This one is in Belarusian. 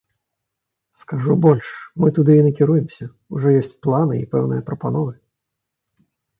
Скажу больш, мы туды і накіруемся, ужо ёсць планы і пэўныя прапановы.